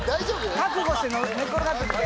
覚悟して寝っ転がってみて。